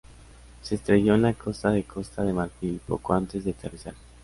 Se estrelló en la costa de Costa de Marfil poco antes de aterrizar.